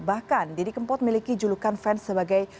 bahkan didi kempot memiliki julukan fans sebagai